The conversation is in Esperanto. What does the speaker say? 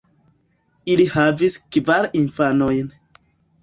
Ili havis kvar infanojn.